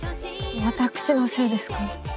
私のせいですから。